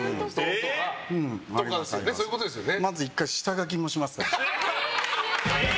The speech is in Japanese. そういうことですよね？